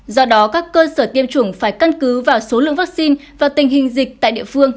do đó các cơ sở tiêm chủng phải căn cứ vào số lượng vaccine và tình hình dịch tại địa phương